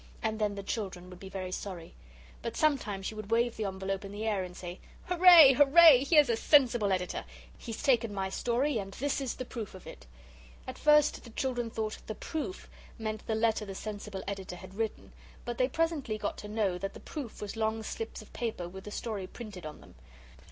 and then the children would be very sorry. But sometimes she would wave the envelope in the air and say: "Hooray, hooray. Here's a sensible Editor. He's taken my story and this is the proof of it." At first the children thought 'the Proof' meant the letter the sensible Editor had written, but they presently got to know that the proof was long slips of paper with the story printed on them.